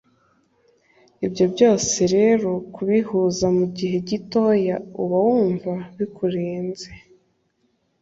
ibyo byose rero kubihuza mu gihe gitoya uba wumva bikurenze